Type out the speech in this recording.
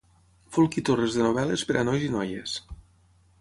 Folch i Torres de novel·les per a nois i noies.